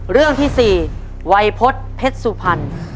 เรื่องที่๔วัยพฤษเพชรสุพรรณ